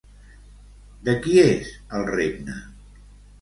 De qui és el regne?